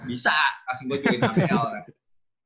bisa kasih gue jualin abl